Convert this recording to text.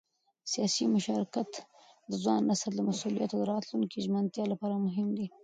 سیاسي مشارکت د ځوان نسل د مسؤلیت او راتلونکي ژمنتیا لپاره مهم دی